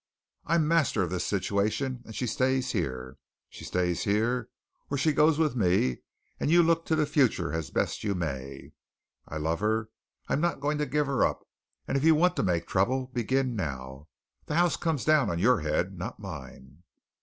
I'm master of this situation, and she stays here. She stays here, or she goes with me and you look to the future as best you may. I love her. I'm not going to give her up, and if you want to make trouble, begin now. The house comes down on your head, not mine."